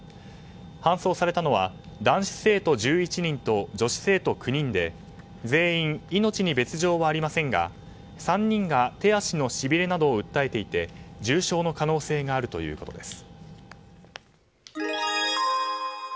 搬送されたのは男子生徒１１人と女子生徒９人で全員、命に別条はありませんが３人が手足のしびれなどを訴えていて最新のラインアップはこちらです。